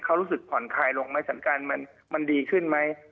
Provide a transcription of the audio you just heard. เขารู้สึกผ่อนคลายลงไหมสถานการณ์มันดีขึ้นไหม